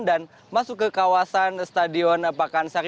dan masuk ke kawasan stadion pakansari